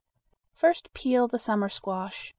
First peel the summer squash.